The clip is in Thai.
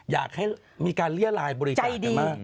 อยากให้มีการเลี้ยรายบริษัทใจดี